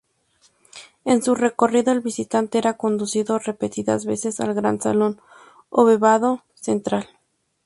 En su recorrido, el visitante era conducido repetidas veces al gran salón abovedado central.